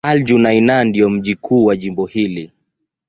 Al-Junaynah ndio mji mkuu wa jimbo hili.